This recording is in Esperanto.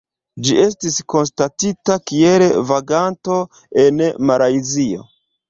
Ĝi estis konstatita kiel vaganto en Malajzio.